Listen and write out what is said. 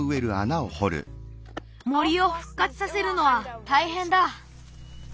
森をふっかつさせるのはたいへんだ。